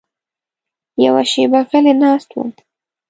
یوه شېبه غلی ناست وم.